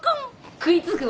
食い付くわ。